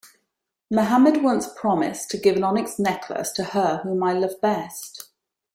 Muhammad once promised to give an onyx necklace to her whom I love best.